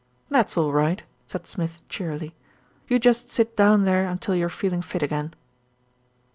"That's all right," said Smith cheerily, "you just sit down there until you're feeling fit again."